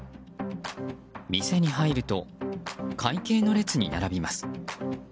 店に入ると、会計の列に並びます。